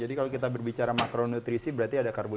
jadi kalau kita berbicara makronutrisi berarti ada karbon